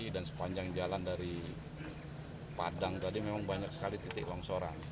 sepanjang jalan dari padang tadi memang banyak sekali titik longsoran